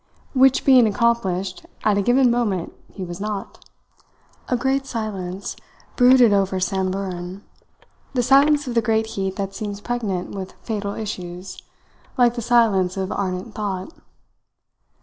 Which being accomplished, at a given moment he was not. A great silence brooded over Samburan the silence of the great heat that seems pregnant with fatal issues, like the silence of ardent thought.